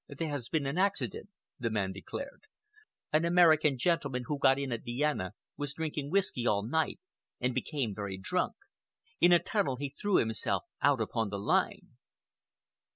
"There has been an accident," the man declared. "An American gentleman who got in at Vienna was drinking whiskey all night and became very drunk. In a tunnel he threw himself out upon the line."